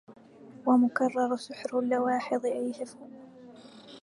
ومكرر سحر اللواحظ أهيف